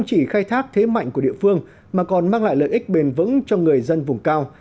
chỉ khai thác thế mạnh của địa phương mà còn mang lại lợi ích bền vững cho người dân vùng cao